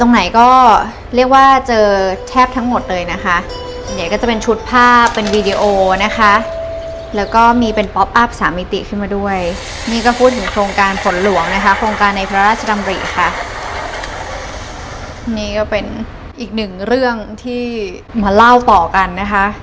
หลวงนะคะโครงการในพระราชดำริค่ะนี่ก็เป็นอีกหนึ่งเรื่องที่มาเล่าต่อกันนะคะ